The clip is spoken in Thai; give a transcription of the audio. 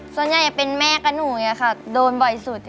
ส่วนใหญ่เป็นแม่กับหนูอย่างนี้ค่ะโดนบ่อยสุด